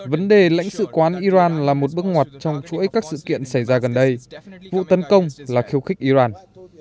vấn đề lãnh sự quán iran là một bước ngoặt trong chuỗi các sự kiện xảy ra gần đây vụ tấn công là khiêu khích iran